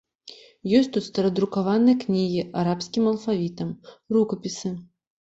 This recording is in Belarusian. Ёсць тут старадрукаваныя кнігі арабскім алфавітам, рукапісы.